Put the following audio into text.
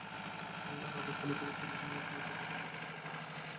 তারা আগরতলা থেকে ট্রেনিং নিয়ে ফিরেছে, দেশের ভেতরে গেরিলা অপারেশন করছে।